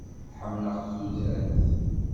Ḥemmleɣ tudert.